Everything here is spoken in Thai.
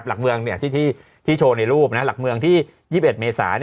หลักเมืองที่โชว์ในรูปหลักเมืองที่๒๑เมษา